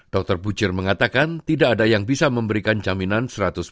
dr butcher mengatakan tidak ada yang bisa memberikan jaminan seratus